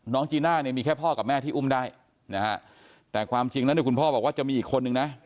จีน่าเนี่ยมีแค่พ่อกับแม่ที่อุ้มได้นะฮะแต่ความจริงแล้วเนี่ยคุณพ่อบอกว่าจะมีอีกคนนึงนะ